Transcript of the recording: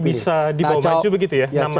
bisa dibawa maju begitu ya